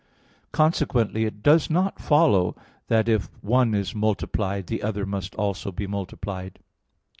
Consequently, it does not follow that if one is multiplied, the other must also be multiplied.